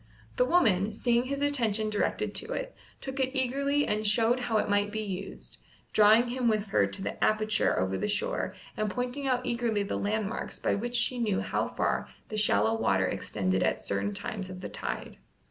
The woman, seeing his attention directed to it, took it eagerly and showed how it might be used, drawing him with her to the aperture over the shore and pointing out eagerly the landmarks by which she knew how far the shallow water extended at certain times of the tide.